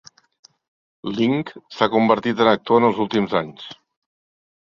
Lynch s'ha convertit en actor en els últims anys.